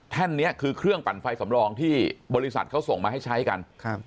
นี้คือเครื่องปั่นไฟสำรองที่บริษัทเขาส่งมาให้ใช้กันครับ